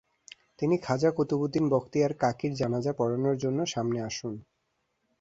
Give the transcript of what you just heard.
তিনি খাজা কুতুবউদ্দীন বখতিয়ার কাকীর জানাযা পড়ানোর জন্য সামনে আসুন।